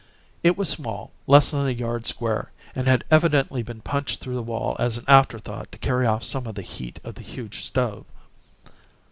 It was small, less than a yard square, and had evidently been punched through the wall as an afterthought to carry off some of the heat of the huge stove.